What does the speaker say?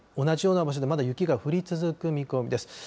同じような場所でまだ雪が降り続く見込みです。